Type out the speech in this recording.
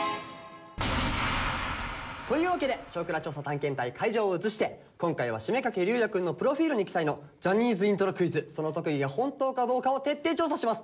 というわけで「少クラ調査探検隊」会場を移して今回は七五三掛龍也くんのプロフィールに記載の「ジャニーズイントロクイズ」その特技が本当かどうかを徹底調査します。